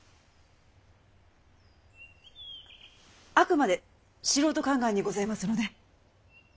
ああくまで素人考えにございますので。